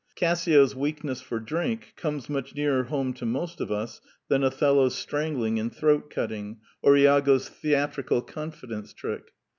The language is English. Cassio's weakness for drink comes much nearer home to most of us than Othello's strangling and throat cutting, or lago's The Technical Novelty 225 theatrical confidence trick.